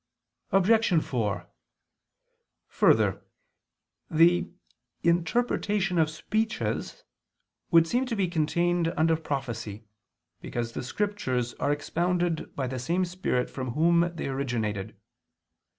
Obj. 4: Further, the "interpretation of speeches" would seem to be contained under prophecy, because the Scriptures are expounded by the same Spirit from Whom they originated.